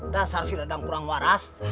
dasar si ledang kurang waras